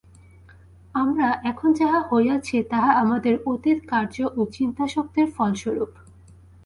আমরা এখন যাহা হইয়াছি, তাহা আমাদের অতীত কার্য ও চিন্তাশক্তির ফলস্বরূপ।